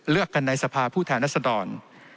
เลือกกันในสภาผู้แทนรัศดร